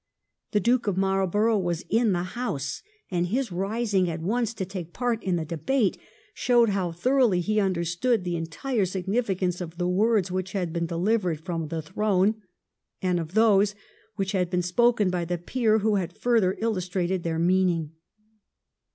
The Duke of Marlborough was in the House, and his rising at once to take part in the debate showed how thoroughly he understood the entire significance of the words which had been delivered from the throne, and of those which had been spoken by the peer who had further illustrated their meaning.